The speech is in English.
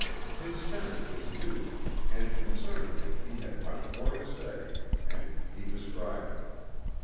His Senate was new and concerning it he had much more to say, and he described it.